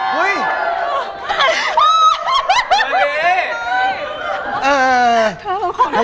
เห็นไหมกล้องแล้ว